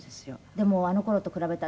でもあの頃と比べたら。